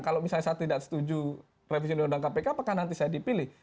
kalau misalnya saya tidak setuju revisi undang undang kpk apakah nanti saya dipilih